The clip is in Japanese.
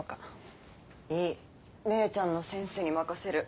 姉ちゃんのセンスに任せる。